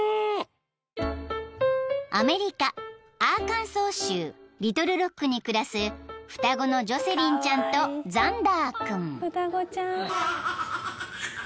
［アメリカアーカンソー州リトルロックに暮らす双子のジョセリンちゃんとザンダー君］